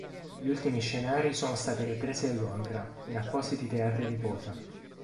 Gli ultimi scenari sono stati ripresi a Londra, in appositi teatri di posa.